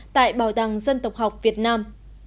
tại bảo tàng dân tộc học việt nam